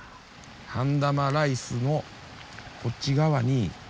ハンダマライスのこっち側に。